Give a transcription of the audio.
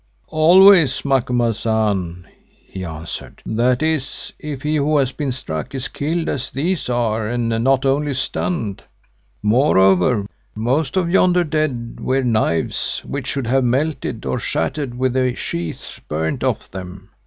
"Always, Macumazahn," he answered, "that is, if he who has been struck is killed, as these are, and not only stunned. Moreover, most of yonder dead wear knives which should have melted or shattered with the sheaths burnt off them.